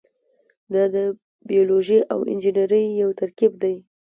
دا د بیولوژي او انجنیری یو ترکیب دی.